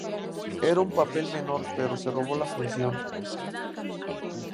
Era un papel menor, pero se robó la función.